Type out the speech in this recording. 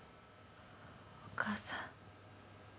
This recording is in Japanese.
お母さん。